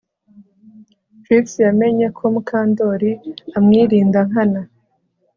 Trix yamenye ko Mukandoli amwirinda nkana